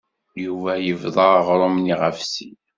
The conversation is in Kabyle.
Yuba yebḍa aɣrum-nni ɣef sin.